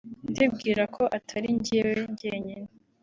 ndibwira ko atari njyewe njyenyine